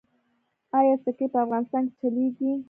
آیا سکې په افغانستان کې چلیږي؟